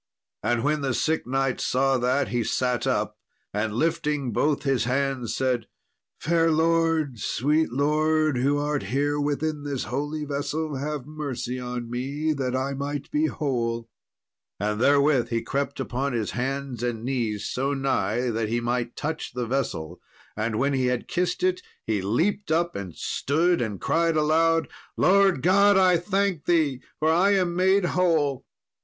And when the sick knight saw that, he sat up, and lifting both his hands, said, "Fair Lord, sweet Lord, who art here within this holy vessel, have mercy on me, that I may be whole;" and therewith he crept upon his hands and knees so nigh, that he might touch the vessel; and when he had kissed it, he leaped up, and stood and cried aloud, "Lord God, I thank Thee, for I am made whole."